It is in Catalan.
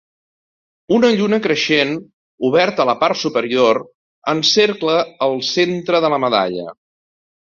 Una lluna creixent, obert a la part superior, encercla el centre de la medalla.